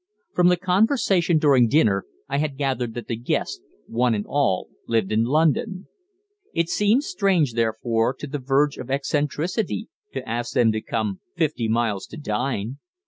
From the conversation during dinner I had gathered that the guests, one and all, lived in London. It seemed strange therefore to the verge of eccentricity to ask them to come fifty miles to dine.